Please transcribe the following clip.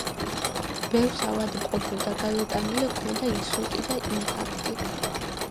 ბევრს ავადმყოფობდა; გადატანილი ჰქონდა ინსულტი და ინფარქტი.